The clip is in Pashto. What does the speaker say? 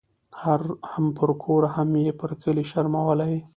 هم پر کور هم یې پر کلي شرمولې